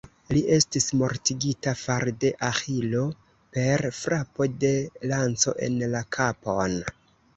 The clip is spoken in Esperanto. Li estis mortigita far de Aĥilo per frapo de lanco en la kapon.